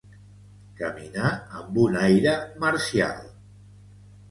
Caminar amb un aire marcial.